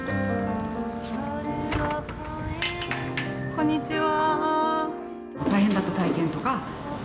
こんにちは。